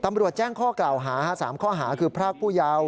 ตำรวจแจ้งข้อกล่าวหา๓ข้อหาคือพรากผู้ยาว